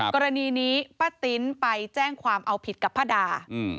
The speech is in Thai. กรณีนี้ป้าติ๊นไปแจ้งความเอาผิดกับป้าดา